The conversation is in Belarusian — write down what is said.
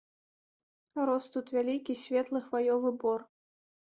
Рос тут вялікі, светлы хваёвы бор.